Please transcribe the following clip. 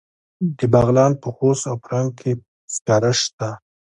د بغلان په خوست او فرنګ کې سکاره شته.